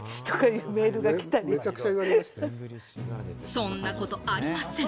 そんなことありません！